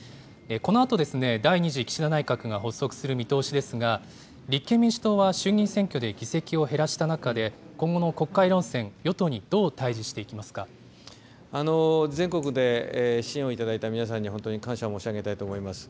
このあと第２次岸田内閣が発足する見通しですが、立憲民主党は衆議院選挙で議席を減らした中で、今後の国会論戦、与党にどう全国で支援を頂いた皆さんに、本当に感謝申し上げたいと思います。